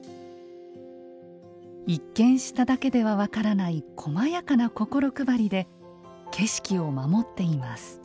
一見しただけでは分からないこまやかな心配りで景色を守っています。